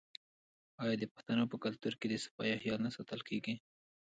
آیا د پښتنو په کلتور کې د صفايي خیال نه ساتل کیږي؟